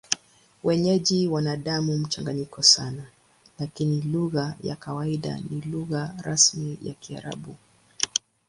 Wenyeji wana damu mchanganyiko sana, lakini lugha ya kawaida na lugha rasmi ni Kiarabu.